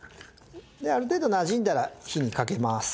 である程度なじんだら火にかけます。